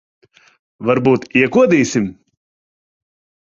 Varbūt iekodīsim?